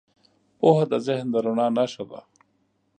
پوهه د ذهن د رڼا نښه ده.